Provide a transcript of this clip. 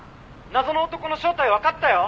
「謎の男の正体わかったよ！」